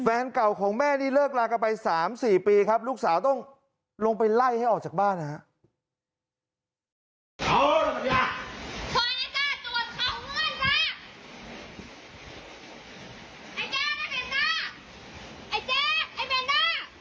แฟนเก่าของแม่นี่เลิกลากันไป๓๔ปีครับลูกสาวต้องลงไปไล่ให้ออกจากบ้านนะครับ